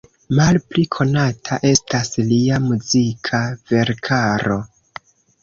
Malpli konata estas lia muzika verkaro.